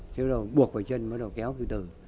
chứ rồi buộc vào chân bắt đầu kéo từ từ